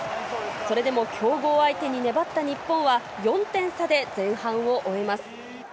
それでも強豪相手に粘った日本は、４点差で前半を終えます。